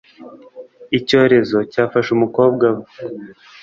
icyorezo cyafashe umukobwa we